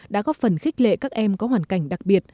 đã góp phần khích lệ các em có hoàn cảnh đặc biệt